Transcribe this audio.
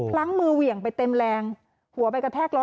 ล้างมือเหวี่ยงไปเต็มแรงหัวไปกระแทกล้อ